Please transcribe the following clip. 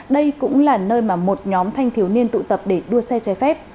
đây cũng là nơi mà một nhóm thanh thiếu niên tụ tập để đua xe trái phép